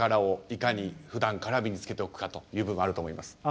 いかにふだんから身につけておくかという部分もあると思います。